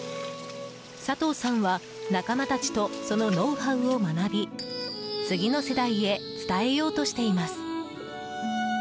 佐藤さんは仲間たちとそのノウハウを学び次の世代へ伝えようとしています。